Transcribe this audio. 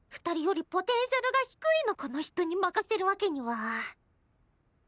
２人よりポテンシャルが低いのこの人に任せるわけには。